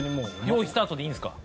「用意スタート」でいいんですか？